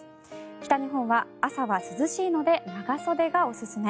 北日本は朝は涼しいので長袖がおすすめ。